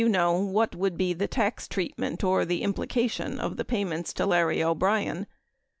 1026 know, what would be the tax treatment or the implication of the payments to Larry O'Brien.